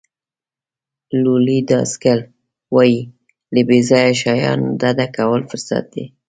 لولي ډاسکل وایي له بې ځایه شیانو ډډه کول فرصت دی.